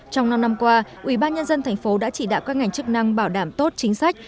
trong năm năm qua ubnd thành phố đã chỉ đạo các ngành chức năng bảo đảm tốt chính sách